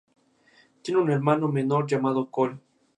Tiene un hermano menor llamado Cole.